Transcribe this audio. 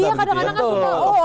iya kadang kadang kan suka oh